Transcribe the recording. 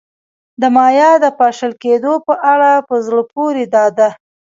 د مایا د پاشل کېدو په اړه په زړه پورې دا ده